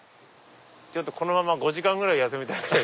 このまま５時間ぐらい休みたい。